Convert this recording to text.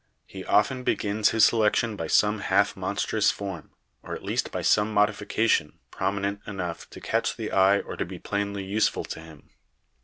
He often begins his selection by some half monstrous form; or at least by some modification, prominent enough to catch the eye or to be plainly useful to him.